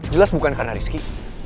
jelas bukan karena rizky